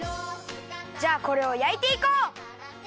じゃあこれをやいていこう！